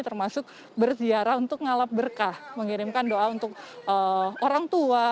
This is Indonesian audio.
termasuk berziarah untuk ngalap berkah mengirimkan doa untuk orang tua